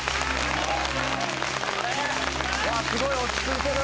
すごい落ち着いてる。